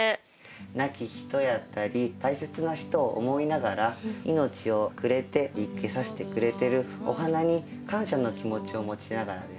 亡き人やったり大切な人を思いながら命をくれて生けさせてくれてるお花に感謝の気持ちを持ちながらですね